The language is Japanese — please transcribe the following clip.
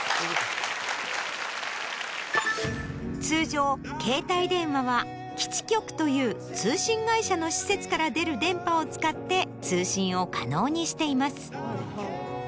通常携帯電話は基地局という通信会社の施設から出る電波を使って通信を可能にしています。